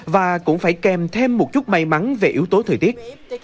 và cũng phải kèm thêm một chút may mắn về yếu tố thời tiết